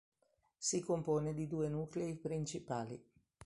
Si compone di due nuclei principali.